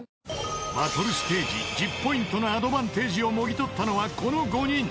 ［バトルステージ１０ポイントのアドバンテージをもぎ取ったのはこの５人］